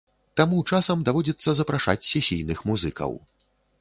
Таму часам даводзіцца запрашаць сесійных музыкаў.